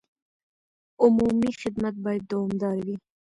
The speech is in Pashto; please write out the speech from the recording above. عمومي خدمت باید دوامداره وي.